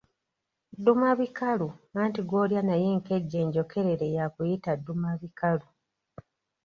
Ddumabikalu, anti gw'olya naye enkejje enjokerere yakuyita ddumabikalu.